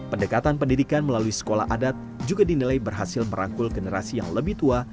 pendekatan pendidikan melalui sekolah adat juga dinilai berhasil merangkul generasi yang lebih tua